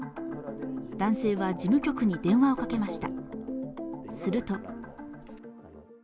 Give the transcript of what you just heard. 男性は事務局に電話をかけました。